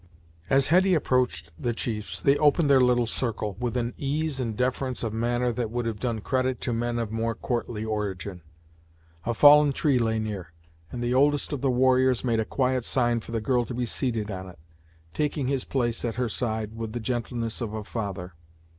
As Hetty approached the chiefs they opened their little circle, with an ease and deference of manner that would have done credit to men of more courtly origin. A fallen tree lay near, and the oldest of the warriors made a quiet sign for the girl to be seated on it, taking his place at her side with the gentleness of a father.